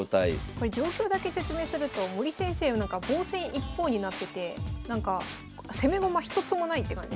これ状況だけ説明すると森先生は防戦一方になってて攻め駒一つもないって感じですよね。